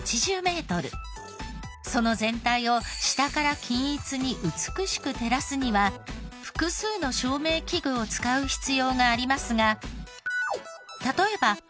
その全体を下から均一に美しく照らすには複数の照明器具を使う必要がありますが。